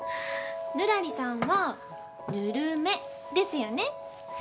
ぬらりさんはぬるめですよね？